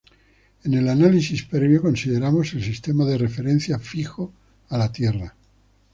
En el análisis previo consideramos el sistema de referencia fijo a la Tierra.